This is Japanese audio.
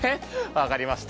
わかりました。